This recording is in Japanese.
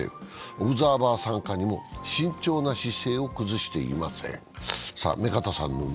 オブザーバー参加にも慎重な姿勢を崩していません。